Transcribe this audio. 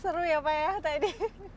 seru ya pak ya tadi